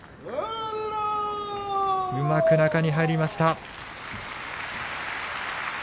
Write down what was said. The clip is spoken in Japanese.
うまく中に入りました。